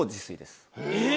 え！